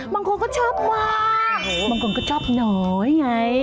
มันคนก็ชอบมามันคนก็ชอบหน่อยไง